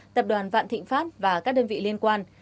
tập đoàn vạn thịnh pháp và các đơn vị liên quan